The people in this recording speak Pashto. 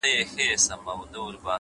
صداقت تل روښانه لاره مومي،